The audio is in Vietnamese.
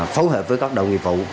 phối hợp với các đội nghiệp vụ